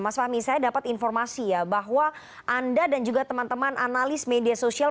mas fahmi saya dapat informasi ya bahwa anda dan juga teman teman analis media sosial